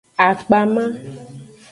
Akpama.